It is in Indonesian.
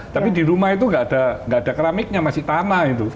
tapi di rumah itu nggak ada keramiknya masih tanah itu